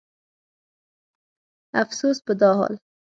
افسوس په دا حال